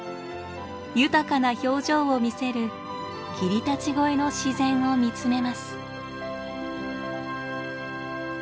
豊かな表情を見せる霧立越の自然を見つめます。